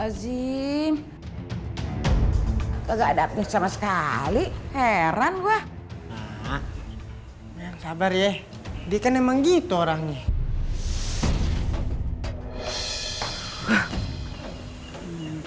azim enggak ada aku sama sekali heran gua sabar ya dikenal menggitu orangnya